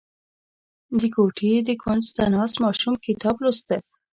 • د کوټې د کونج ته ناست ماشوم کتاب لوسته.